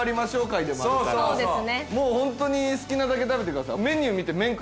そうそうそうホントに好きなだけ食べてください